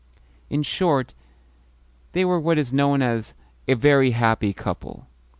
In short, they were what is known as "a very happy couple."